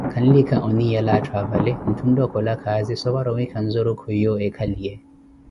Kanlikha oniiyela atthu apale, ntthu ontta okhola khaazi so para owenkha nzurukhu yo eekhaliye.